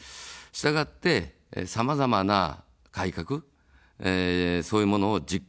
したがって、さまざまな改革、そういうものを実行できる。